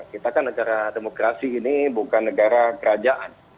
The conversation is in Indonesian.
kita kan negara demokrasi ini bukan negara kerajaan